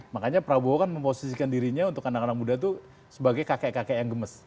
makanya prabowo kan memposisikan dirinya untuk anak anak muda itu sebagai kakek kakek yang gemes